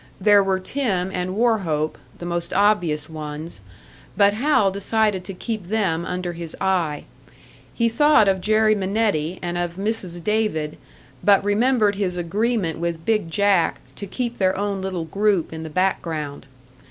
There Were Tim and Wauchope, the most obvious ones; but Hal decided to keep them under his eye. He thought of Jerry Minetti and of Mrs. David but remembered his agreement with "Big Jack," to keep their own little group in the back ground.